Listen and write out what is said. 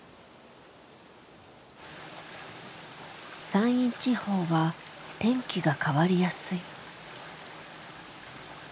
山陰地方は天気が変わりやすい。